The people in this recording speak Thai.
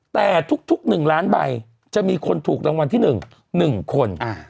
แต่ทุก๑ล้านใบจะมีคนถูกรางวัลที่๑๑คน